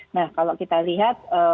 nah kalau kita lihat